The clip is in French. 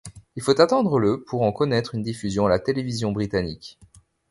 Il faut attendre le pour en connaitre une diffusion à la télévision britannique.